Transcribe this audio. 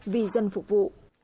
vì dân phục vụ